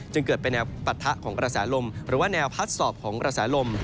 เกิดเป็นแนวปะทะของกระแสลมหรือว่าแนวพัดสอบของกระแสลม